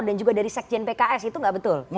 dan juga dari sekjen pks itu tidak betul